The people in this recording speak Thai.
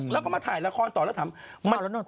แล้วก็มาถ่ายละครต่อแล้วถาม